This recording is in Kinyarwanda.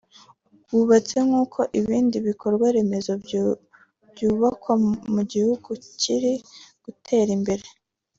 wubatswe nkuko ibindi bikorwa remezo byubakwa mu gihugu kiri gutera imbere